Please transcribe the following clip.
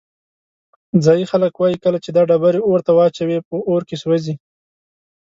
ځایی خلک وایي کله چې دا ډبرې اور ته واچوې په اور کې سوځي.